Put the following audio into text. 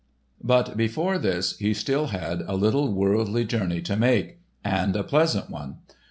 But before this he still had a little worldly journey to make—and a pleasant one.